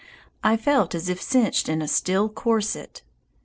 I felt as if cinched in a steel corset.